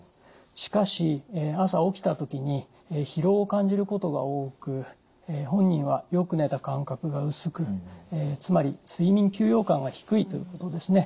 しかし朝起きた時に疲労を感じることが多く本人はよく寝た感覚が薄くつまり睡眠休養感が低いということですね。